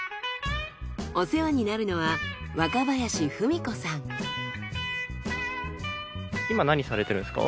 お世話になるのは今何されてるんですか？